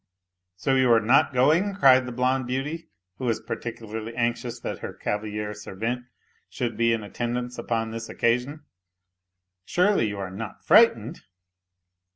" So you are not going ?" cried the blonde beauty, who was particularly anxious that her cavaliere servente should be in attendance on this occasion. " Surely you are not frightened